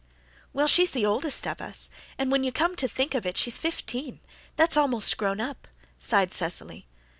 "Well, she's the oldest of us, and when you come to think of it, she's fifteen, that's almost grown up," sighed Cecily.